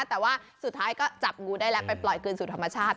แต่ว่าสุดท้ายก็จับงูได้แล้วไปปล่อยคืนสู่ธรรมชาติ